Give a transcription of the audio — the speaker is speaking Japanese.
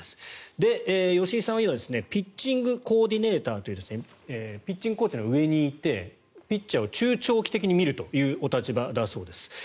吉井さんは今ピッチングコーディネーターというピッチングコーチの上にいてピッチャーを中長期的に見るというお立場だそうです。